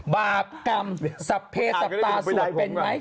บาปกรรมสัพเพศัตว์ตาสวดเป็นไหม